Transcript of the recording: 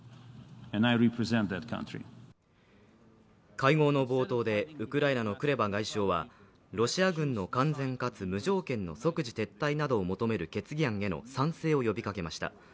会合の冒頭でウクライナのクレバ外相はロシア軍の完全かつ無条件の即時撤退などを求める決議案への賛成を呼びかけました。